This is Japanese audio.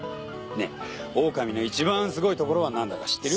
オオカミのいちばんすごいところはなんだか知ってる？